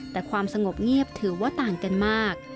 แต่ความสงบเงียบถือว่าต่างกันมาก